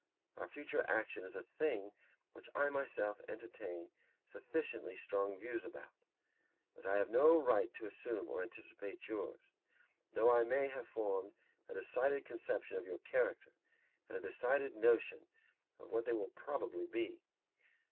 Our future action is a thing about which I myself entertain sufficiently strong views; but I have no right to assume or to anticipate yours, though I may have formed a decided conception of your character and a decided notion of what they will probably be.